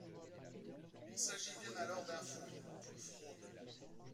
Il s’agit bien alors d’un faux, d’une fraude.